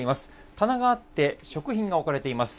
棚があって食品が置かれています。